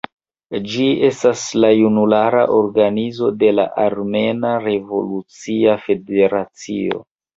Ĝi estas la junulara organizo de la Armena Revolucia Federacio.